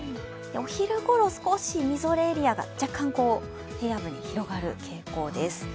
お昼ごろ、少しみぞれエリアが若干平野部に広がる傾向です。